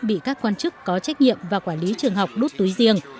bị các quan chức có trách nhiệm và quản lý trường học đốt túi riêng